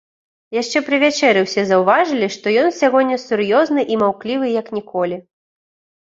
Яшчэ пры вячэры ўсе заўважылі, што ён сягоння сур'ёзны і маўклівы, як ніколі.